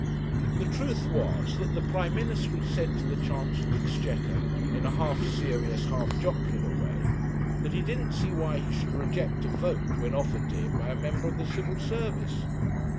The truth was that the Prime Minister had said to the Chancellor of the Exchequer, in a half serious, half jocular way, that he didn't see why he should reject a vote when offered to him by a member of the Civil Service.